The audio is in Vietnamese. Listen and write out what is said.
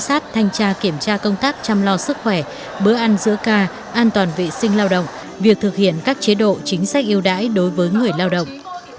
giám sát thanh tra kiểm tra công tác chăm lo sức khỏe bữa ăn giữa ca an toàn vệ sinh lao động việc thực hiện các chế độ chính sách yêu đãi đối với người lao động